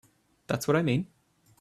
That's what I mean.